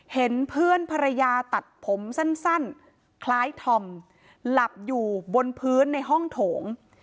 เห็นเพื่อนภรรยาตัดผมสั้นคล้ายธอมหลับอยู่บนพื้นในห้องโถง